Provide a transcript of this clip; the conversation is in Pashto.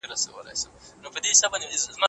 بیا په خپل مدارکي نه سي ګرځېدلای